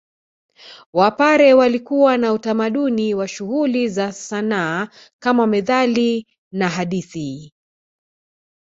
Wapare walikuwa na utamaduni wa shughuli za sanaa kama methali na hadithi